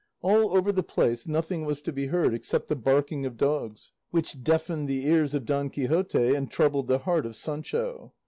All over the place nothing was to be heard except the barking of dogs, which deafened the ears of Don Quixote and troubled the heart of Sancho.